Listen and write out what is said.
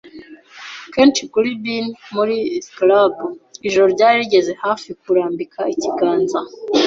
kenshi kuri bine, muri scrub. Ijoro ryari rigeze hafi kurambika ikiganza